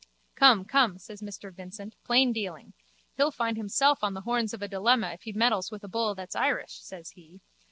Come, come, says Mr Vincent, plain dealing. He'll find himself on the horns of a dilemma if he meddles with a bull that's Irish, says he.